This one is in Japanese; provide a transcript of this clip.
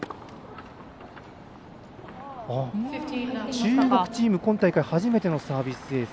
中国チーム今大会初めてのサービスエース。